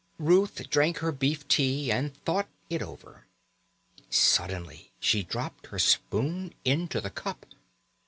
Ruth drank her beef tea and thought it over. Suddenly she dropped her spoon into the cup.